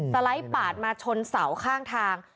สไลด์ปาดมาชนเสาข้างทาง